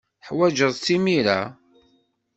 Teḥwajeḍ-tt imir-a?